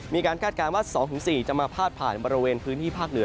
คาดการณ์ว่า๒๔จะมาพาดผ่านบริเวณพื้นที่ภาคเหนือ